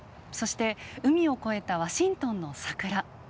そして海を越えたワシントンの桜。